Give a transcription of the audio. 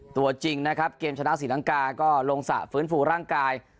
ตัวจริงนะครับเกมชนะศรีลังกาก็ลงสระฟื้นฟูร่างกาย